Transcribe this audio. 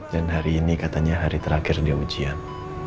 dan hari ini katanya hari terakhir dia ujian